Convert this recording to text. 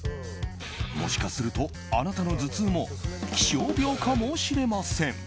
もしかすると、あなたの頭痛も気象病かもしれません。